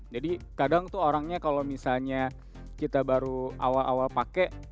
jadi kadang tuh orangnya kalau misalnya kita baru awal awal pakai